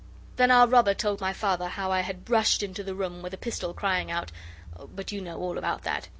Then our robber told my Father how I had rushed into the room with a pistol, crying out... but you know all about that.